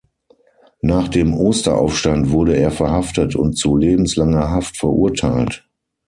Nach dem Osteraufstand wurde er verhaftet und zu lebenslanger Haft verurteilt.